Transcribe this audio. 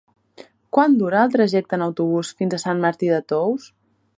Quant dura el trajecte en autobús fins a Sant Martí de Tous?